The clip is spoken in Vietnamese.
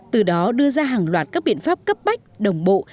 từ đó đưa ra hàng loạt các biện pháp cấp bách đồng bộ